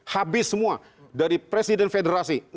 habis semua dari presiden federasi